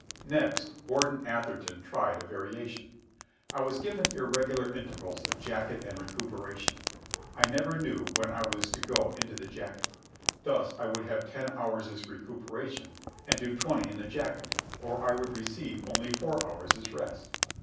Next, Warden Atherton tried a variation. I was given irregular intervals of jacket and recuperation. I never knew when I was to go into the jacket. Thus I would have ten hours' recuperation, and do twenty in the jacket; or I would receive only four hours' rest.